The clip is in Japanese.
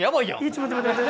ちょっと待って待って。